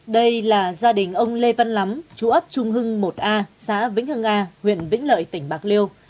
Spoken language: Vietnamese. đây là gia đình ông lê văn lắm chú ấp trung hưng một a xã vĩnh hưng a huyện vĩnh lợi tỉnh bạc liêu